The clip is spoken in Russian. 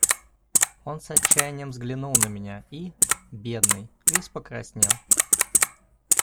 Он с отчаянием взглянул на меня и, бедный, весь покраснел.